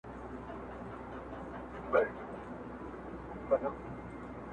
چي غمزه غمزه راګورې څه نغمه نغمه ږغېږې،